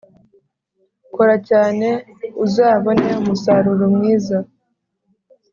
Kora cyane uzabone umusaruro mwiza